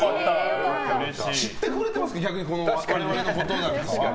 知ってくれてますか我々のことなんかは。